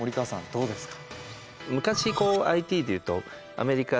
どうですか？